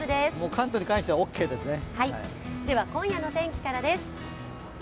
関東に関してはオーケーですね。